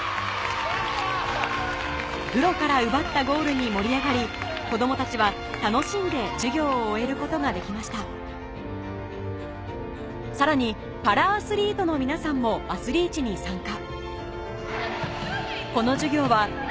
・うわぁ・プロから奪ったゴールに盛り上がり子供たちは楽しんで授業を終えることができましたさらにパラアスリートの皆さんもアスリーチに参加